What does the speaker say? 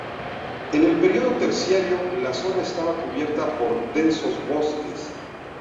En el periodo Terciario la zona estaba cubierta por densos bosques.